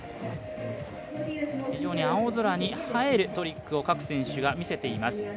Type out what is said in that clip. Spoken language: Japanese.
非常に青空に映えるトリックを各選手が見せています。